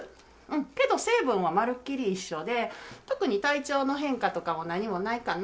けど、成分はまるっきり一緒で、特に体調の変化とかは何もないかな？